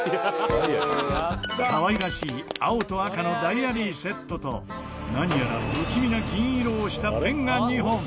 かわいらしい青と赤のダイアリーセットと何やら不気味な銀色をしたペンが２本。